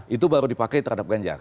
itu baru dipakai terhadap ganjar